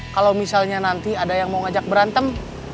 kalau misalnya nanti ada yang mau ngajak berantem